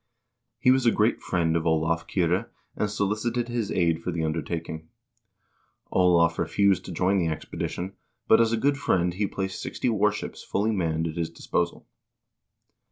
He was a great friend of Olav Kyrre, and solicited his aid for the undertaking. Olav refused to join the expedition, but as a good friend he placed sixty warships fully manned at his disposal.